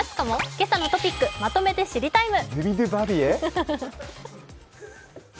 「けさのトピックまとめて知りＴＩＭＥ，」。